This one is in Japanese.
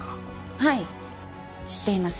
はい知っています。